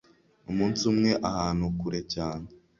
umunsi umwe ahantu kure cyane